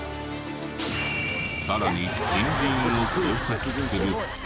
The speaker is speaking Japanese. さらに近隣を捜索すると。